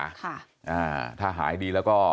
อาถ้าหายดีละก็